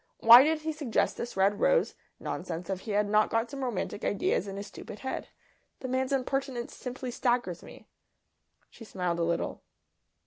Why did he suggest this red rose nonsense if he had not got some romantic ideas in his stupid head? The man's impertinence simply staggers me." She smiled a little.